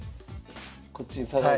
こっちに下がる？